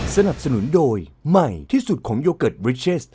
สนับสนุนโดยใหม่ที่สุดของโยเกิร์ตบริเชส